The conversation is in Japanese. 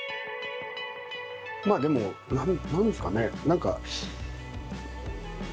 まあでも何ですかね。